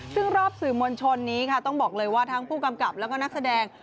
ซึ่งรอบสื่อมวลชนนี้ค่ะต้องบอกเลยว่าทั้งผู้กำกับแล้วก็นักแสดง